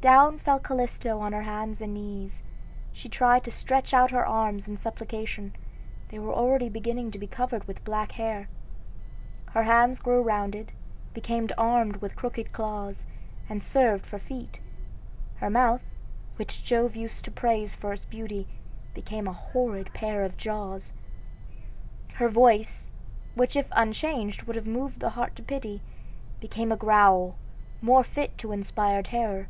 Down fell Callisto on her hands and knees; she tried to stretch out her arms in supplication they were already beginning to be covered with black hair. Her hands grew rounded, became armed with crooked claws, and served for feet; her mouth, which Jove used to praise for its beauty, became a horrid pair of jaws; her voice, which if unchanged would have moved the heart to pity, became a growl, more fit to inspire terror.